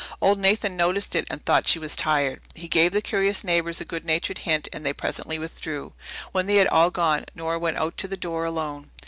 Old Nathan noticed it and thought she was tired. He gave the curious neighbours a good natured hint, and they presently withdrew. When they had all gone Nora went out to the door alone.